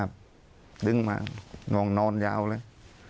ครับดึงมานองนอนยาวเลย